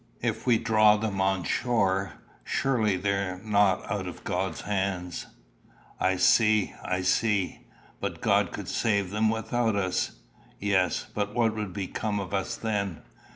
If we draw them on shore, surely they are not out of God's hands." "I see I see. But God could save them without us." "Yes; but what would become of us then?